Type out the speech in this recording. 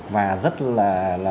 và rất là